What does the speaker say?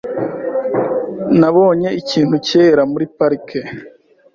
Nabonye ikintu cyera muri parike .